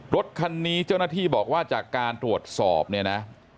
รถคันนี้เจ้าหน้าที่บอกว่าจากการตรวจสอบเนี่ยนะ